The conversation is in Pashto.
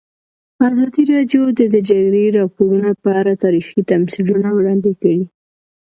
ازادي راډیو د د جګړې راپورونه په اړه تاریخي تمثیلونه وړاندې کړي.